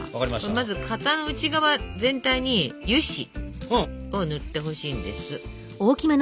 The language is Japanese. まず型の内側全体に油脂を塗ってほしいんです。